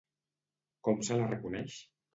Com se la reconeix?